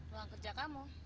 ruang kerja kamu